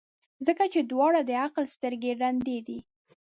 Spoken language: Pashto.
ځکه چي د دواړو د عقل سترګي ړندې دي.